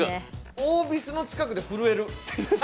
オービスの近くで震える。